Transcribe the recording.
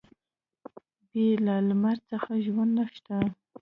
بې له لمر څخه ژوند نشته.